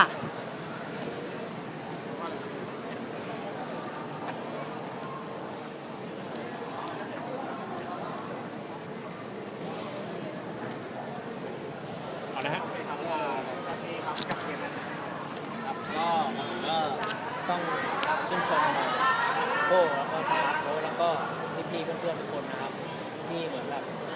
สวัสดีครับขออนุญาตถ้าใครถึงแฟนทีลักษณ์ที่เกิดอยู่แล้วค่ะ